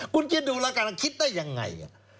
คุณคิดดูแล้วกันคิดได้ยังไง